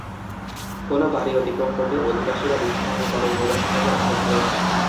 কোন বাড়ী অতিক্রম করলে অধিবাসীরা বিষন্ন হয়ে পড়ে, নৈরাশ্য তাদের আঁকড়ে ধরে।